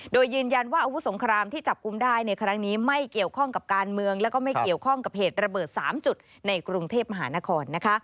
โดยยืนยันว่าอาวุธสงครามที่จับกลุ่มได้ในครั้งนี้ไม่เกี่ยวข้องกับการเมืองแล้วก็ไม่เกี่ยวข้องกับเหตุระเบิด๓จุดในกรุงเทพมหานคร